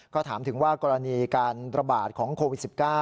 ก็ถามถึงว่ากรณีการระบาดของโควิด๑๙